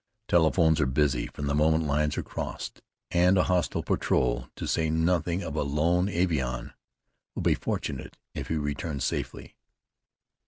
Telephones are busy from the moment the lines are crossed, and a hostile patrol, to say nothing of a lone avion, will be fortunate if it returns safely.